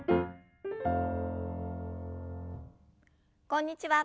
こんにちは。